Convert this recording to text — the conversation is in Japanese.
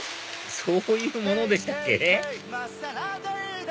そういうものでしたっけ？